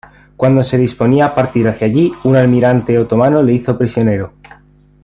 Cuando se disponía a partir hacia allí, un almirante otomano le hizo prisionero.